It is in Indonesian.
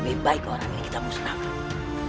lebih baik orang yang kita musnahkan